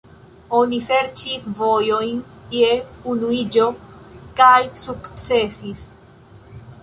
Oni serĉis vojojn je unuiĝo kaj sukcesis.